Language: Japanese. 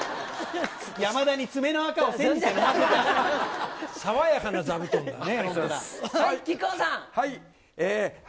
山田に爪のあかをせんじて飲爽やかな座布団だね。